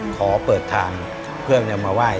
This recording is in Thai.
ขอเปิดทางเพื่อนมาว่าย